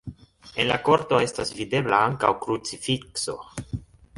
En la korto estas videbla ankaŭ krucifikso.